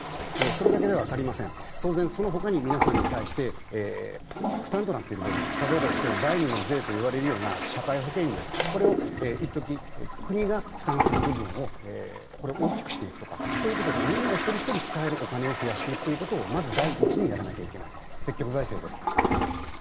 それだけでは足りません、当然そのほかに皆さんに対して、負担となっている部分、例えばですけれども第２の税と言われるような社会保険料、これを一時、国が負担する部分を大きくしていくということで、みんなが一人一人使えるお金を増やしていくということをまず第一にやらなきゃいけない、積極財政です。